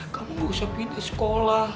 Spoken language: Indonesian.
kamu gak usah pindah sekolah